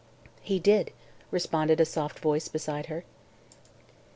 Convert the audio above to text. "He did," responded a soft voice beside her.